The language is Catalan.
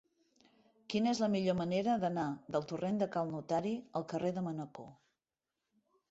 Quina és la millor manera d'anar del torrent de Cal Notari al carrer de Manacor?